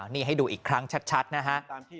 นี่ให้ดูอีกครั้งชัดนะฮะ